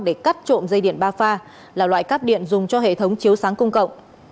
để cắt trộm dây điện ba pha là loại cắp điện dùng cho hệ thống chiếu sáng công cộng